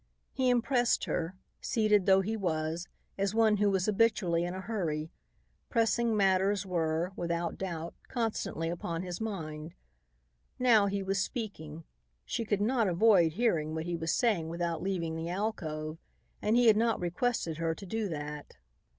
He impressed her, seated though he was, as one who was habitually in a hurry. Pressing matters were, without doubt, constantly upon his mind. Now he was speaking. She could not avoid hearing what he was saying without leaving the alcove, and he had not requested her to do that.